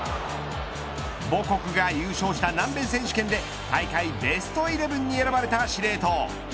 母国が優勝した南米選手権で大会ベストイレブンに選ばれた司令塔。